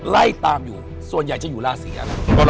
ไล่ตามอยู่ส่วนใหญ่จะอยู่ลาเซีย